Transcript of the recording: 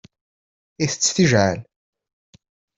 Itett tijɛal.